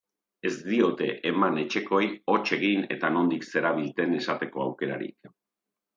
Ez diote eman etxekoei hots egin eta nondik zerabilten esateko aukerarik.